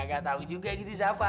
kagak tau juga gitu siapa